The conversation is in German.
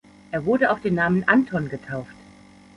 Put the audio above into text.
Er wurde auf den Namen Anton getauft.